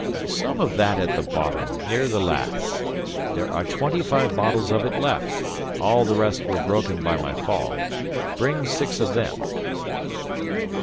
"Some of that at the bottom, near the laths. There are twenty five bottles of it left; all the rest were broken by my fall. Bring six of them."